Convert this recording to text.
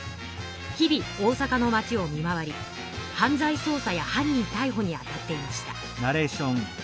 日々大阪の町を見回り犯罪そう査や犯人たいほに当たっていました。